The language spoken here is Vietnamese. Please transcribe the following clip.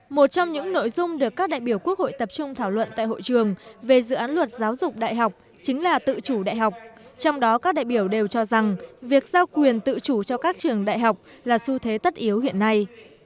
một trong những nội dung được các đại biểu quốc hội tập trung thảo luận tại hội trường về dự án luật giáo dục đại học chính là tự chủ đại học trong đó các đại biểu đều cho rằng việc giao quyền tự chủ cho các trường đại học là xu thế tất yếu hiện nay